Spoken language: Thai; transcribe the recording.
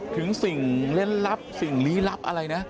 สิ่งเล่นลับสิ่งลี้ลับอะไรนะ